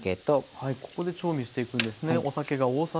はいここで調味していくんですね。